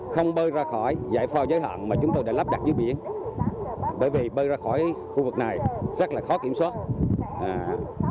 không bơi ra khỏi giải pho giới hạn mà chúng tôi đã lắp đặt dưới biển bởi vì bơi ra khỏi khu vực này rất là khó kiểm soát